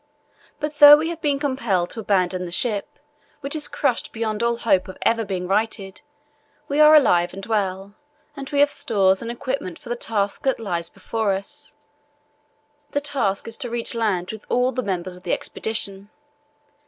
But though we have been compelled to abandon the ship, which is crushed beyond all hope of ever being righted, we are alive and well, and we have stores and equipment for the task that lies before us. The task is to reach land with all the members of the Expedition.